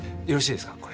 よろしいですか？